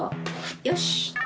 よし！